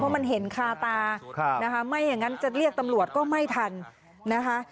มันเห็นคาตานะคะไม่อย่างนั้นจะเรียกตำรวจก็ไม่ทันนะคะ